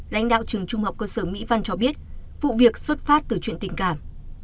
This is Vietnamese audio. lãnh đạo trường trung học cơ sở mỹ văn cho biết vụ việc xuất phát từ chuyện tình cảm